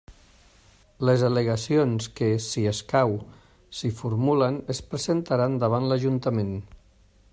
Les al·legacions que, si escau, s'hi formulen es presentaran davant l'ajuntament.